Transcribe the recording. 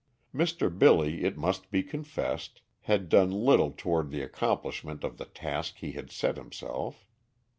Mr. Billy, it must be confessed, had done little toward the accomplishment of the task he had set himself.